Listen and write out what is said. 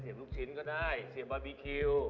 ลูกชิ้นก็ได้เสียบาร์บีคิว